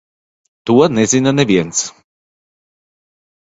To nezina neviens.